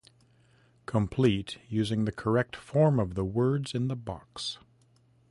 Complete using the correct form of the words in the box.